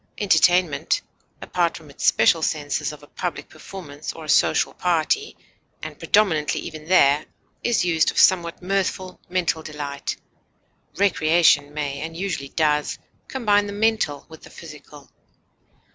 Entertainment, apart from its special senses of a public performance or a social party, and predominantly even there, is used of somewhat mirthful mental delight; recreation may, and usually does, combine the mental with the physical.